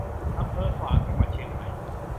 อำเภอฝาง จังหวัดเชียงใหม่